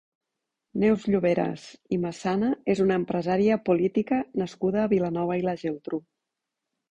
Neus Lloveras i Massana és una empresària i política nascuda a Vilanova i la Geltrú.